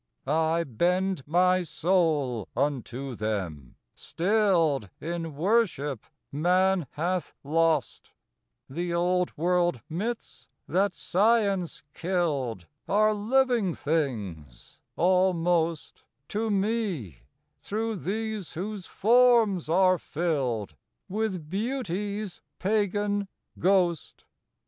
I bend my soul unto them, stilled In worship man hath lost; The old world myths that science killed Are living things almost To me through these whose forms are filled With Beauty's pagan ghost.